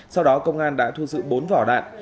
sau đó công an đã thu giữ bốn vỏ đạn